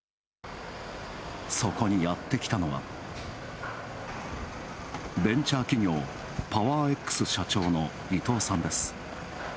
そこにやって来たのは、ベンチャー企業パワーエックス社長の伊藤さんです。